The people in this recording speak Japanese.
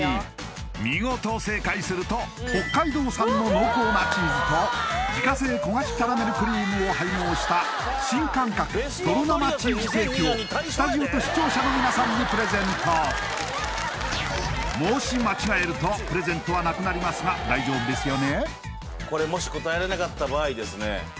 見事正解すると北海道産の濃厚なチーズと自家製焦がしキャラメルクリームを配合した新感覚とろ生チーズケーキをスタジオと視聴者の皆さんにプレゼントもし間違えるとプレゼントはなくなりますが大丈夫ですよね？